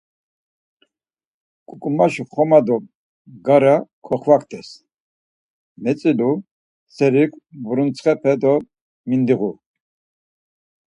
K̆uk̆umaşi xoma do mgara koxvaktes, metzilu serik muruntsxepe do mindiğu.